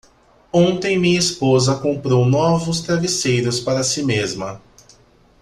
Ontem minha esposa comprou novos travesseiros para si mesma.